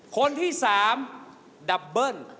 คนที่๓ดับเบิ้ล